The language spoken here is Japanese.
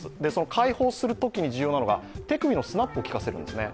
解放するときに重要なのが手首のスナップをきかせるんですね。